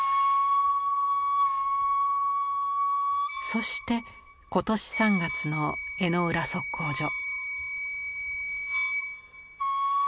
そして今年３月の江之浦測候所。